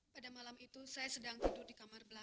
pada malam itu saya sedang tidur di kamar belakang